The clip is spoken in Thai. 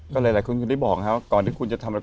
ก็หลายคนก็ได้บอกนะครับก่อนที่คุณจะทำอะไร